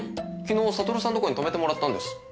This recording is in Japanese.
昨日悟さんのとこに泊めてもらったんです。